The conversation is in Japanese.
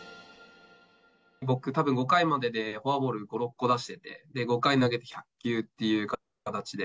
僕、たぶん５回まででフォアボール５、６個出してて、５回投げて１００球っていう形で。